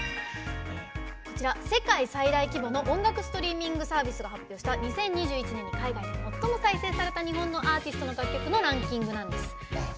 世界最大規模の音楽ストリーミングサービスが発表した「２０２１年に海外で最も再生された日本のアーティストの楽曲」のランキングなんです。